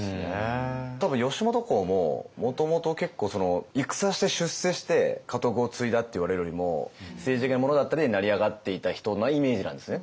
多分義元公ももともと結構戦して出世して家督を継いだっていわれるよりも政治的なものだったりで成り上がっていった人のイメージなんですね。